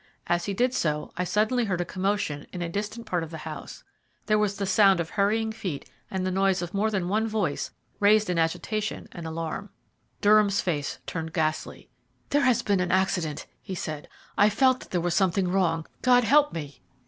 As he did so I suddenly heard a commotion in a distant part of the house; there was the sound of hurrying feet and the noise of more than one voice raised in agitation and alarm. Durham's face turned ghastly. "There has been an accident," he said. "I felt that there was something wrong. God help me!"